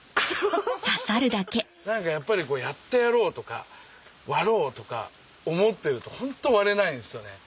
何かやっぱりやってやろうとか割ろうとか思ってるとホント割れないんですよね。